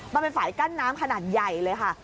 มันเป็นฝ่ายกั้นน้ำขนาดใหญ่เลยค่ะ